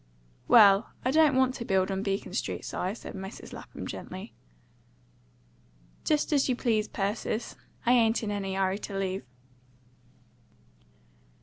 "Well, I don't want to build on Beacon Street, Si," said Mrs. Lapham gently. "Just as you please, Persis. I ain't in any hurry to leave."